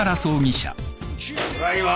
・ただいま。